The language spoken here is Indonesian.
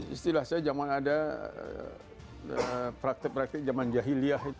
istilah saya zaman ada praktik praktik zaman jahiliah